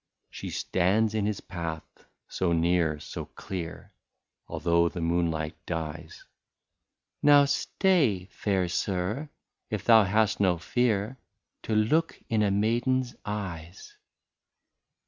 She stands in his path, so near, so clear, Although the moonlight dies, —" Now stay, fair sir, if thou hast no fear To look in a maiden's eyes."